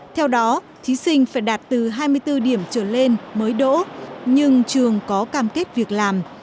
theo đó thí sinh phải đạt từ hai mươi bốn điểm trở lên mới đỗ nhưng trường có cam kết việc làm